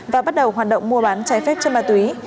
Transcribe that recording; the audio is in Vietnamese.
và bắt đầu hoạt động mua bán trái phép chất ma túy